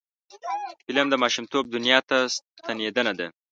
فلم د ماشومتوب دنیا ته ستنیدنه ده